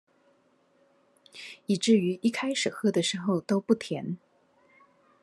以至於一開始喝的時候都不甜